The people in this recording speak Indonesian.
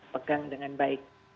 pegang dengan baik